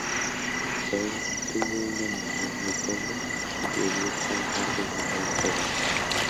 Bence tuvo una niñez muy pobre y debió trabajar desde muy joven.